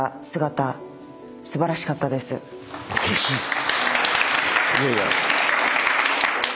うれしいっす。